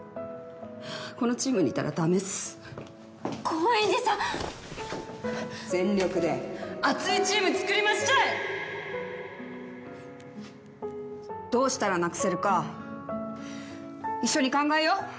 このチームにいたらダメっす高円寺さん全力で熱いチーム作りどうしたらなくせるか一緒に考えよ？